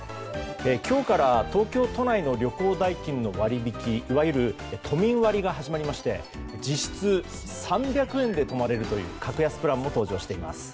今日から東京都内の旅行代金の割引いわゆる都民割が始まりまして実質３００円で泊まれるという格安プランも登場しています。